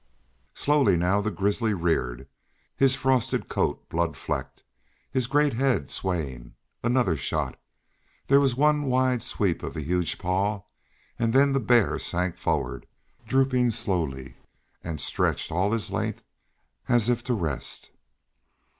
Slowly now the grizzly reared, his frosted coat blood flecked, his great head swaying. Another shot. There was one wide sweep of the huge paw, and then the bear sank forward, drooping slowly, and stretched all his length as if to rest.